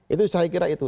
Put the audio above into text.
itu saya kira itu